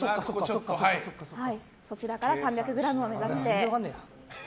そちらから３００ｇを目指して。